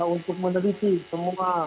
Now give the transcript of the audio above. untuk meneliti semua